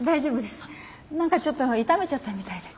何かちょっと痛めちゃったみたいで。